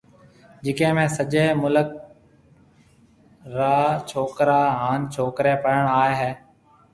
جيڪيَ ۾ سجيَ مُلڪ کان ڇوڪرا ھان ڇوڪرَي پڙھڻ آئيَ ھيََََ